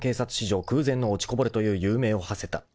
上空前の落ちこぼれという勇名をはせた］